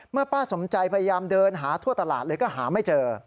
ป้าสมใจพยายามเดินหาทั่วตลาดเลยก็หาไม่เจอ